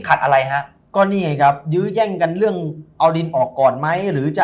อะไรฮะก็นี่ไงครับยื้อแย่งกันเรื่องเอาดินออกก่อนไหมหรือจะ